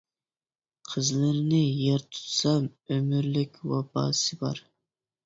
قىزلىرىنى يار تۇتسام، ئۆمۈرلۈك ۋاپاسى بار.